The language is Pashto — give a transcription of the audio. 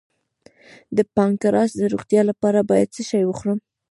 د پانکراس د روغتیا لپاره باید څه شی وخورم؟